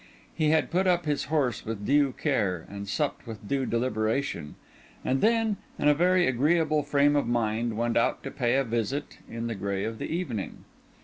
He had put up his horse with due care, and supped with due deliberation; and then, in a very agreeable frame of mind, went out to pay a visit in the grey of the evening.